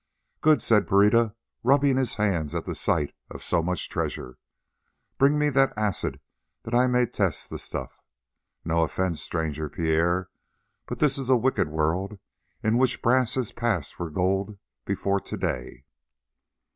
"Good," said Pereira, rubbing his hands at the sight of so much treasure. "Bring me the acid that I may test the stuff. No offence, stranger Pierre, but this is a wicked world, in which brass has passed for gold before to day."